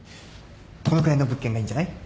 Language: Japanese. このくらいの物件がいいんじゃない？